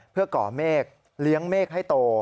เพื่อก่อเมฆเลี้ยงเมฆให้โต